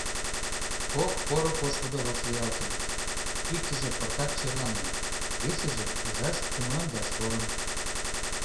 Кок поро пошкудо вашлиялтыныт: иктыже пыртак черланен, весыже ужаш, кумылаҥдаш толын.